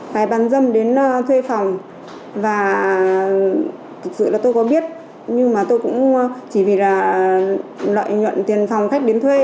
tài bán dâm đến thuê phòng và thực sự là tôi có biết nhưng mà tôi cũng chỉ vì là lợi nhuận tiền phòng khách đến thuê